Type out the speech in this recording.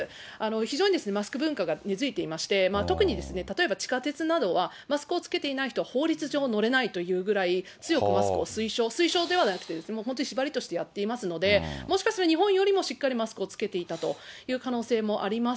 非常にマスク文化が根づいていまして、特に例えば地下鉄などは、マスクを着けていない人は法律上乗れないというぐらい、強くマスクを推奨、推奨ではなくて、本当に縛りとしてやっていますので、もしかすると日本よりもしっかりマスクを着けていたという可能性もあります。